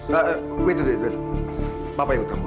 tunggu tunggu bapak ikut tamu ya